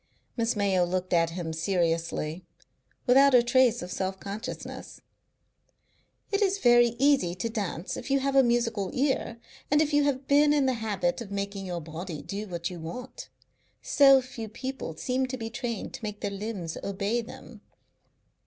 Miss Mayo looked at him seriously, without a trace of self consciousness. "It is very easy to dance if you have a musical ear, and if you have been in the habit of making your body do what you want. So few people seem to be trained to make their limbs obey them.